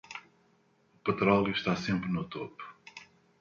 O petróleo está sempre no topo.